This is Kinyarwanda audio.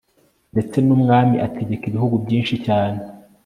ndetse ni umwami, ategeka ibihugu byinshi cyane